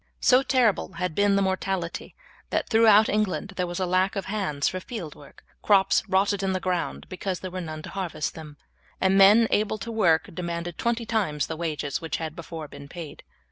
So terrible had been the mortality that throughout England there was a lack of hands for field work, crops rotted in the ground because there were none to harvest them, and men able to work demanded twenty times the wages which had before been paid.